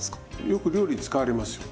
よく料理に使われますよ。